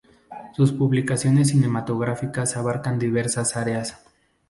Sus publicaciones cinematográficas abarcan diversas áreas.